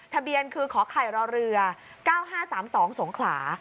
ทะเบียนคือขอไข่รอเรือ๙๕๓๒สงขลา